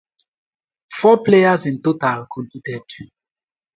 Four players in total competed.